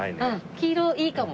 黄色いいかも。